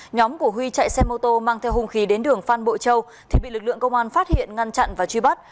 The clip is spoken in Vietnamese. nhóm của huy chạy xe mô tô mang theo hung khí đến đường phan bội châu thì bị lực lượng công an phát hiện ngăn chặn và truy bắt